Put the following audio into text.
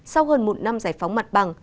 sau hơn một năm giải phóng mặt bằng